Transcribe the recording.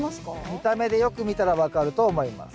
見た目でよく見たら分かると思います。